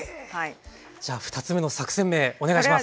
じゃあ２つ目の作戦名お願いします。